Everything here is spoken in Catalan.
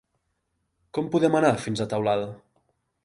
Com podem anar fins a Teulada?